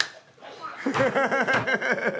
ハハハッ！